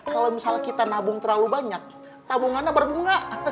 kalau misalnya kita nabung terlalu banyak tabungannya berbunga